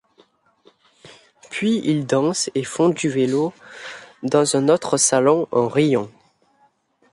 Puis ils dansent et font du vélo dans un autre salon en riant.